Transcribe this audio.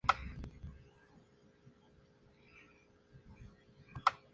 En la final derrotó a Laura Pous.